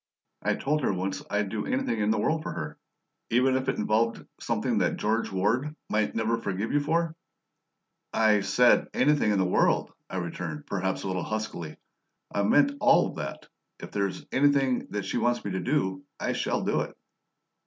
"I told her once I'd do anything in the world for her." "Even if it involved something that George Ward might never forgive you for?" "I said, 'anything in the world,'" I returned, perhaps a little huskily. "I meant all of that. If there is anything she wants me to do, I shall do it."